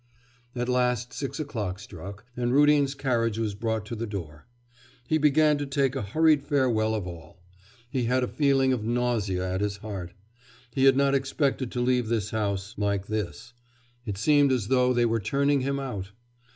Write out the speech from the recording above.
At last six o'clock struck, and Rudin's carriage was brought to the door. He began to take a hurried farewell of all. He had a feeling of nausea at his heart. He had not expected to leave this house like this; it seemed as though they were turning him out.